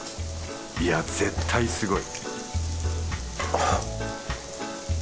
いや絶対すごい